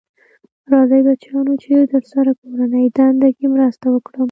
راځی بچیانو چې درسره کورنۍ دنده کې مرسته وکړم.